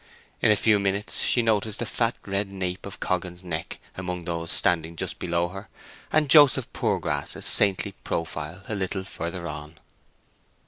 In a few minutes she noticed the fat red nape of Coggan's neck among those standing just below her, and Joseph Poorgrass's saintly profile a little further on.